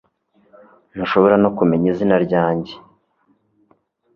Ntushobora no kumenya izina ryanjye